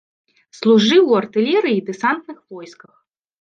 Служыў у артылерыі і дэсантных войсках.